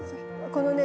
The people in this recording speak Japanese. このね。